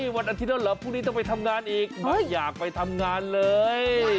วันอาทิตย์แล้วเหรอพรุ่งนี้ต้องไปทำงานอีกไม่อยากไปทำงานเลย